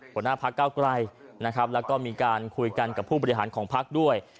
หัวหน้าพักเก้าไกลนะครับแล้วก็มีการคุยกันกับผู้บริหารของพักด้วย